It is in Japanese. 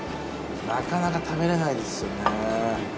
なかなか食べられないですよね。